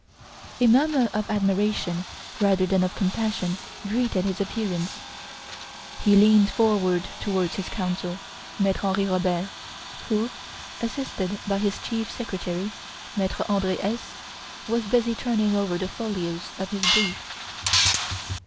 A murmur of admiration rather than of compassion greeted his appearance. He leaned forward towards his counsel, Maitre Henri Robert, who, assisted by his chief secretary, Maitre Andre Hesse, was busily turning over the folios of his brief.